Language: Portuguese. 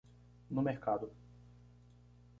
No mercado